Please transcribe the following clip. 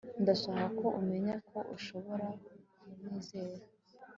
ndashaka ko umenya ko ushobora kunyizera